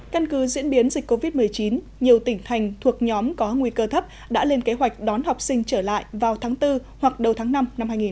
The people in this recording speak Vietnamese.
căn cứ diễn biến dịch covid một mươi chín nhiều tỉnh thành thuộc nhóm có nguy cơ thấp đã lên kế hoạch đón học sinh trở lại vào tháng bốn hoặc đầu tháng năm năm hai nghìn hai mươi